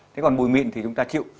thế còn bụi mịn thì chúng ta chịu